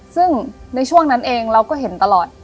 ซึ่งในช่วงนั้นเองเราก็เห็นตลอด